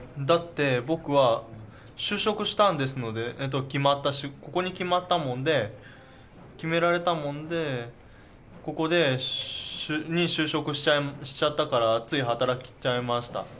だって僕は就職したんですので決まったここに決まったもんで決められたもんでここに就職しちゃったからつい働いちゃいました。